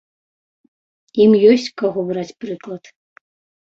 Ім ёсць з каго браць прыклад.